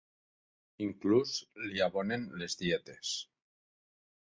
Inclús li abonen les dietes.